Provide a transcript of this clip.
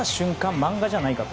漫画じゃないかと。